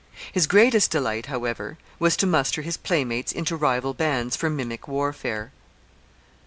His greatest delight, however, was to muster his playmates into rival bands for mimic warfare.